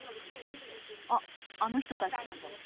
あっあの人たち。